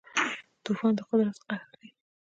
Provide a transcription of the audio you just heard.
طوفان د قدرت قهر ښيي.